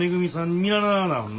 見習わな。